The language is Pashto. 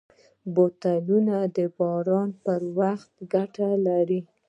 بوټونه د باران پر وخت ګټه لري.